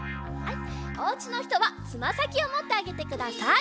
おうちのひとはつまさきをもってあげてください。